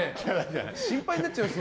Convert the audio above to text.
心配になっちゃいます。